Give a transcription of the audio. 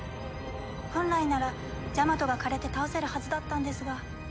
本来ならジャマトが枯れて倒せるはずだったんですが。